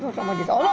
あら！